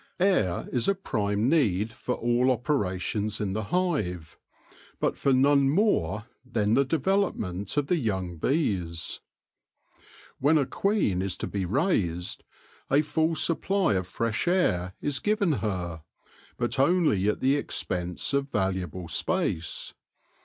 Air is a prime need for all operations in the hive, but for none more than the development of the young bees. When a queen is to be raised, a full supply of fresh air is given her, but only at the expense of valuable space.